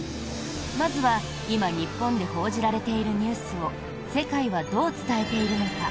まずは今、日本で報じられているニュースを世界はどう伝えているのか。